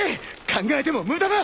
考えても無駄だ！